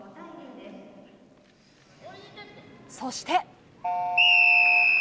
そして。